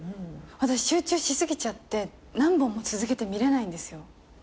私集中しすぎちゃって何本も続けて見れないんですよ。